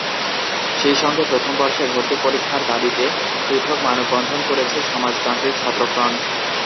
সেই সঙ্গে প্রথম বর্ষে ভর্তি পরীক্ষার দাবিতে পৃথক মানববন্ধন করেছে সমাজতান্ত্রিক ছাত্রফ্রন্ট।